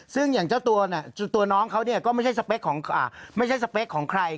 ซึ่งอย่างเจ้าตัวน้องเขาเนี่ยก็ไม่ใช่สเปคของใคร